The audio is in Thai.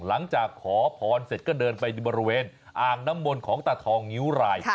หลังจากขอพรเสร็จก็เดินไปบริเวณอ่างน้ำมนต์ของตาทองงิ้วราย